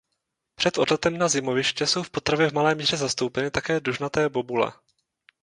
Před odletem na zimoviště jsou v potravě v malé míře zastoupeny také dužnaté bobule.